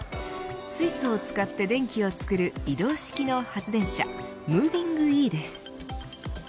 水素を使って電気を作る移動式の発電車Ｍｏｖｉｎｇｅです。